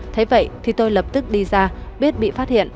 thế vậy thì tôi lập tức đi ra biết bị phát hiện